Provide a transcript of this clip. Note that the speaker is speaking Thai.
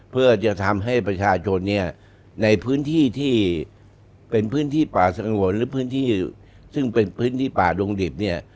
เพื่อจะทำให้ประชาชนเนี่ยในพื้นที่ที่เป็นพื้นที่ป่าสงวนหรือพื้นที่ซึ่งเป็นพื้นที่ป่าดงดิบเนี่ย